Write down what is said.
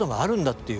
っていう